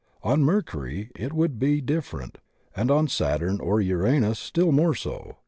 On Mercury it would be differ ent, and on Saturn or Uranus still more so.